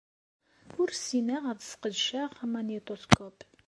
Ur ssineɣ ad ssqedceɣ amanyiṭuskup.